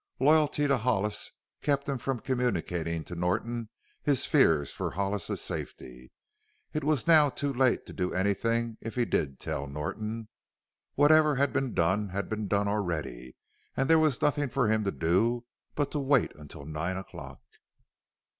Loyalty to Hollis kept him from communicating to Norton his fears for Hollis's safety. It was now too late to do anything if he did tell Norton; whatever had been done had been done already and there was nothing for him to do but to wait until nine o'clock.